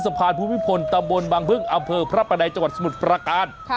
สะพานภูมิพลตำบลบางพึ่งอำเภอพระประแดงจังหวัดสมุทรประการ